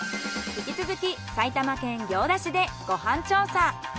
引き続き埼玉県行田市でご飯調査。